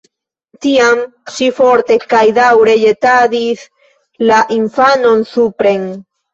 Tiam ŝi forte kaj daŭre ĵetadis la infanon supren.